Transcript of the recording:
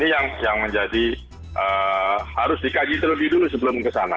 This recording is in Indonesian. ini yang menjadi harus dikaji terlebih dulu sebelum kesana